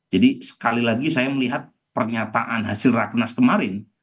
jadi sekali lagi saya melihat pernyataan hasil rakenas kemarin